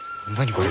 これ。